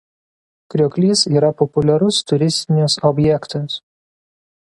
Krioklys yra populiarus turistinis objektas.